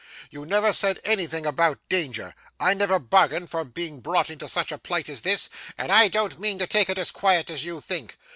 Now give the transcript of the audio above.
You never said anything about danger. I never bargained for being brought into such a plight as this, and I don't mean to take it as quiet as you think.